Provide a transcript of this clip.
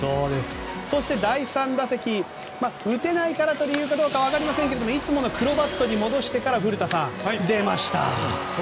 そして第３打席打てないからという理由か分かりませんがいつもの黒バットに戻して出ました。